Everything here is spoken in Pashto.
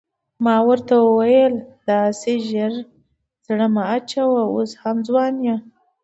ما ورته وویل داسې ژر زړه مه اچوه اوس هم ځوان یې.